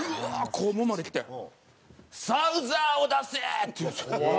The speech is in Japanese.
校門まで来て「サウザーを出せ！」って言うんですよ。